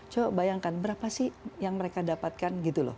coba bayangkan berapa sih yang mereka dapatkan gitu loh